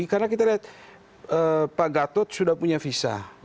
karena kita lihat pak gatot sudah punya visa